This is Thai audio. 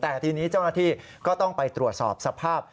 แต่ทีนี้เจ้าหน้าที่ก็ต้องไปตรวจสอบสภาพ